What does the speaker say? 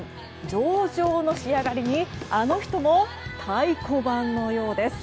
上々の仕上がりにあの人も太鼓判のようです。